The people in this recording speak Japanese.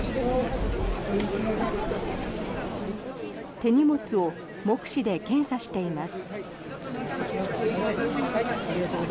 手荷物を目視で検査しています。